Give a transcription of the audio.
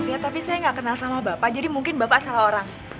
bapak maaf ya tapi saya gak kenal sama bapak jadi mungkin bapak salah orang